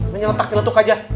menyeletak diletuk aja